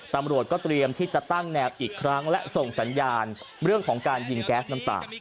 ตำรวจก็เตรียมที่จะตั้งแนวอีกครั้งและส่งสัญญาณเรื่องของการยิงแก๊สน้ำตา